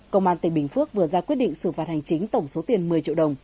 công an tỉnh bình phước vừa ra quyết định xử phạt hành chính tổng số tiền một mươi triệu đồng